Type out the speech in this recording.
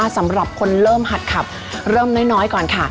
สำหรับคนเริ่มหัดขับเริ่มน้อยก่อนค่ะ